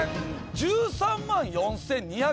１３万４，２０１円。